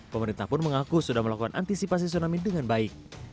pemerintah pun mengaku sudah melakukan antisipasi tsunami dengan baik